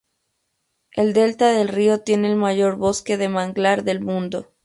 El delta del río tiene el mayor bosque de manglar del mundo.